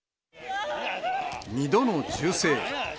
２度の銃声。